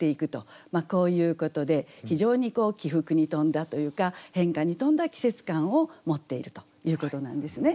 こういうことで非常に起伏に富んだというか変化に富んだ季節感を持っているということなんですね。